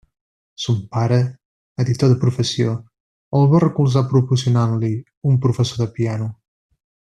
Son pare, editor de professió, el va recolzar proporcionant-li un professor de piano.